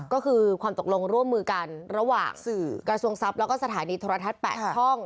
ก็คือความตกลงร่วมมือกันระหว่างสื่อกระทรวงทรัพย์แล้วก็สถานีโทรทัศน์๘ช่อง